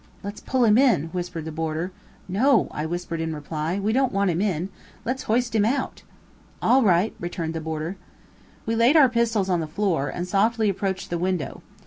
"Let's pull him in," whispered the boarder. "No," I whispered in reply. "We don't want him in. Let's hoist him out." "All right," returned the boarder. We laid our pistols on the floor, and softly approached the window.